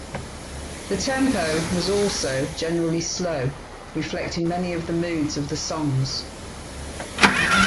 The tempo is also generally slow, reflecting many of the moods of the songs.